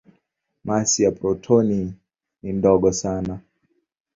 Masi ya protoni ni ndogo sana.